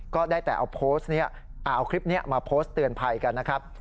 ก็ได้แต่เอาคลิปนี้มาโพสต์เตือนภัยกันนะครับ